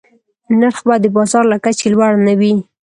نرخ باید د بازار له کچې لوړ نه وي.